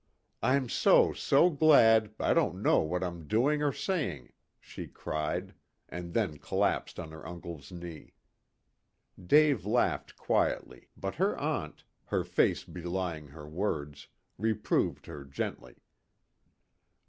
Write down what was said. "I'm so so glad, I don't know what I'm doing or saying," she cried, and then collapsed on her uncle's knee. Dave laughed quietly, but her aunt, her face belying her words, reproved her gently.